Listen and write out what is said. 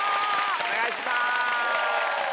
お願いします！